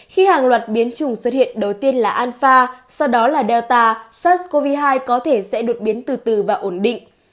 khi hàng loạt biến chủng xuất hiện đầu tiên là alpha sau đó là delta sars cov hai có thể sẽ đột biến từ từ và ổn định